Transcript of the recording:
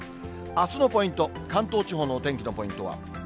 あすのポイント、関東地方のお天気のポイントは。